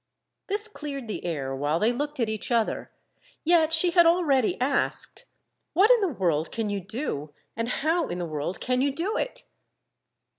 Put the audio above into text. This cleared the air while they looked at each other; yet she had already asked: "What in the world can you do, and how in the world can you do it?"